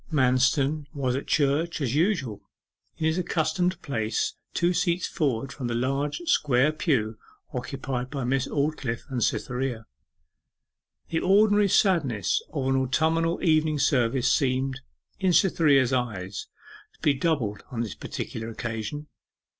Manston was at church as usual in his accustomed place two seats forward from the large square pew occupied by Miss Aldclyffe and Cytherea. The ordinary sadness of an autumnal evening service seemed, in Cytherea's eyes, to be doubled on this particular occasion.